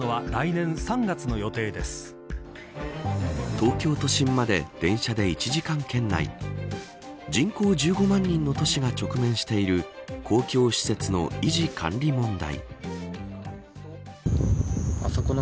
東京都心まで電車で１時間圏内人口１５万人の都市が直面している公共施設の維持管理問題。